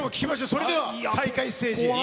それでは、再会ステージに。